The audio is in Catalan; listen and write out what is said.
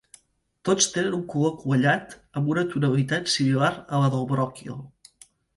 Tots tenen un color quallat amb una tonalitat similar a la del bròquil.